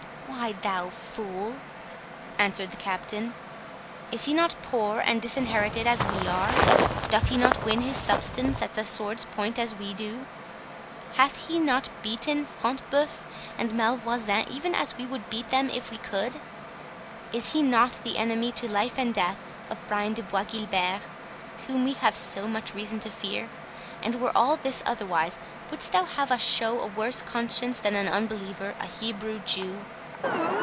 "Why, thou fool," answered the Captain, "is he not poor and disinherited as we are?—Doth he not win his substance at the sword's point as we do?—Hath he not beaten Front de Bœuf and Malvoisin, even as we would beat them if we could? Is he not the enemy to life and death of Brian de Bois Guilbert, whom we have so much reason to fear? And were all this otherwise, wouldst thou have us show a worse conscience than an unbeliever, a Hebrew Jew?"